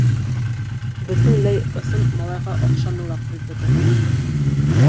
Бөтөнләй ысын малайға оҡшаны ла ҡуйзы был.